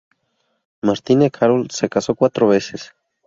Martine Carol se casó cuatro veces.